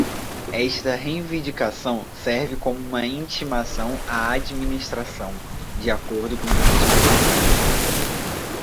Esta reivindicação serve como uma intimação à administração, de acordo com o artigo cinquenta.